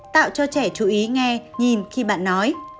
tạo cho trẻ chú ý nghe nhìn khi bạn nói